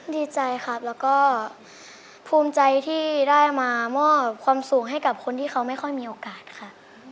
ดีใจครับแล้วก็ภูมิใจที่ได้มามอบความสุขให้กับคนที่เขาไม่ค่อยมีโอกาสค่ะ